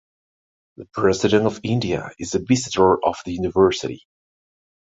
The President of India is the Visitor of the University.